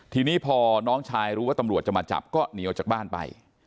ทีนี้พอน้องชายรู้ว่าตำรวจจะมาจับก็เหนียวจากบ้านไป